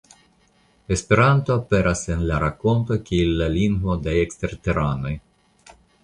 Esperanto aperas en la rakonto kiel la lingvo de eksterteranoj.